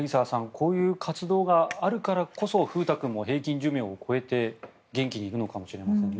こういう活動があるからこそ風太君も平均寿命を超えて元気にいるのかもしれませんね。